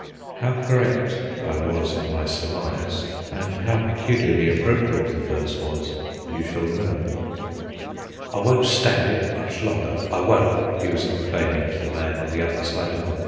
How correct I was in my surmise, and how peculiarly appropriate the verse was, you shall learn. "I won't stand it much longer, I won't," he was complaining to the man on the other side of him.